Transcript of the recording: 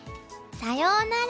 さようなら！